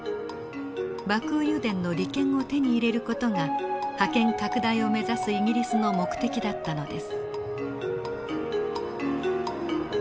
バクー油田の利権を手に入れる事が覇権拡大を目指すイギリスの目的だったのです。